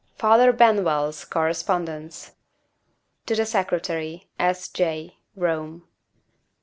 FATHER BENWELL'S CORRESPONDENCE _To the Secretary, S. J., Rome.